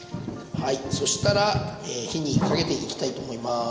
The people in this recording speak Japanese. そしたら火にかけていきたいと思います。